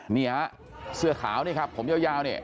นี่ฮะเสื้อขาวนี่ครับผมยาวเนี่ย